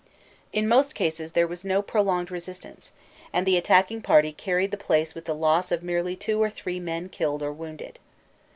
In most cases there was no prolonged resistance, and the attacking party carried the place with the loss of merely two or three men killed or wounded.